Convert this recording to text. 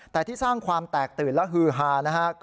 แต่ที่สร้างความแตกตื่นและฮือฮานะฮะ